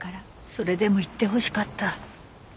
それでも言ってほしかった。